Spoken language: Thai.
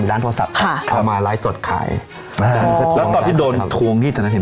ร้านโทรศัพท์ค่ะเขามาไลฟ์สดขายแล้วตอนที่โดนทวงนี่ตอนนั้นเห็น